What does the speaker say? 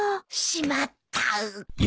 しまった。